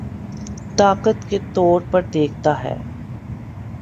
طاقت کے طور پر دیکھتا ہے